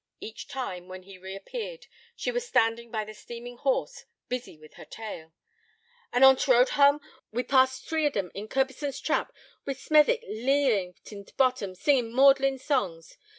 Each time, when he reappeared, she was standing by the steaming horse, busy with her tale. 'An' on t' road hame we passed t' three on' em in Curbison's trap, with Smethwick leein' in t' bottom, singin' maudlin' songs.